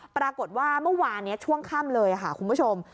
ปรากฏว่าเมื่อวานนี้ช่วงค่ำเลยค่ะคุณผู้ชม